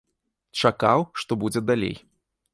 Чакаў, што будзе далей.